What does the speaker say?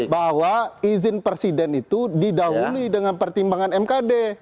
bahwa izin presiden itu didahului dengan pertimbangan mkd